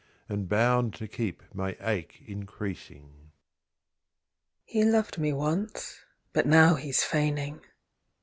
And bound to keep my ache increasing. BETROTHED. 87 She. He loved me once, but now he's feigning.